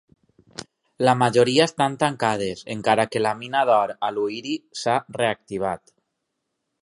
La majoria estan tancades, encara que la mina d"or a Luiri s"ha reactivat.